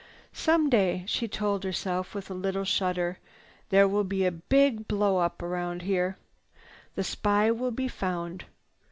"Some day," she told herself with a little shudder, "there will be a big blow up around here. The spy will be found.